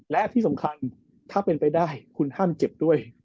และที่สำคัญถ้าเป็นไปได้คุณห้ามเจ็บด้วย